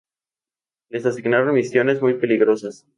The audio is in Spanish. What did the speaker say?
Les asignaron misiones muy peligrosas.